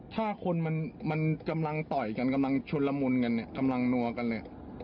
ถ้าคนมันกำลังต่อยกันกำลังชนละมุนกันเนี่ยกำลังนัวกันเลย